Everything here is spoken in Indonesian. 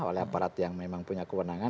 oleh aparat yang memang punya kewenangan